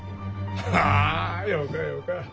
ああよかよか！